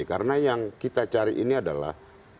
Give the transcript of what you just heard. karena yang kita cari ini adalah